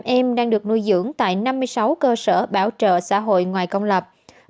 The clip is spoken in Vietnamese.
hai chín trăm sáu mươi tám em đang được nuôi dưỡng tại năm mươi sáu cơ sở bảo trợ xã hội ngoài công lập